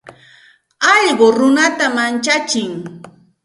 Alluqu runata manchatsin.